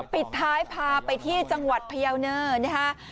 บิดท้ายผ่าไปที่จังหวัดพยาบาลเน่านะฮะ